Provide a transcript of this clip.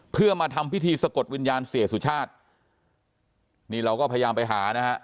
เพื่อมาทำพิธีสะกดวิญญาณเสียสุชาตินี่เราก็พยายามไปหานะฮะ